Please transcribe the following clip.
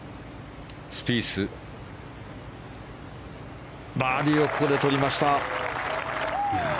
スピースバーディーをここで取りました。